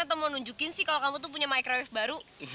atau mau nunjukin sih kalau kamu tuh punya microwift baru